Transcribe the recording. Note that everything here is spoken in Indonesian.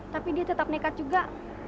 tapi dia tetap nekat juga